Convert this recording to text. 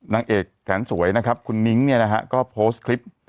นางเอกแสนสวยนะครับคุณนิ้งเนี่ยนะฮะก็โพสต์คลิป